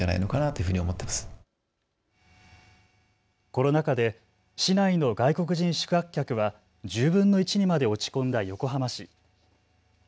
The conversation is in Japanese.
コロナ禍で市内の外国人宿泊客は１０分の１にまで落ち込んだ横浜市。